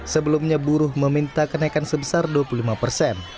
sebelumnya buruh meminta kenaikan sebesar dua puluh lima persen